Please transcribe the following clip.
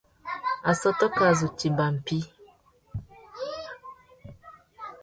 Assôtô kā zu timba mpí.